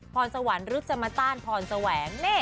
พรสวรรค์หรือจะมาต้านพรแสวง